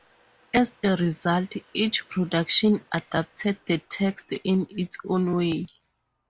As a result, each production adapted the text in its own way.